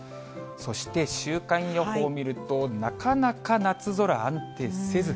そして週間予報を見ると、なかなか夏空、安定せず。